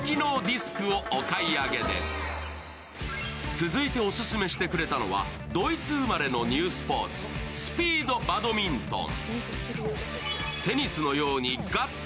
続いてオススメしてくれたのはドイツ生まれのニュースポーツ、スピードバドミントン。